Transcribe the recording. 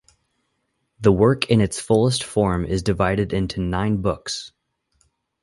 The work in its fullest form is divided into nine books.